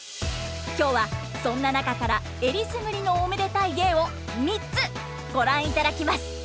今日はそんな中からえりすぐりのおめでたい芸を３つご覧いただきます！